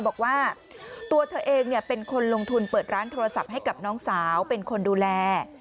บอกว่าตัวเธอเองเป็นคนลงทุนเปิดร้านโทรศัพท์ให้กับน้องสาวเป็นคนดูแล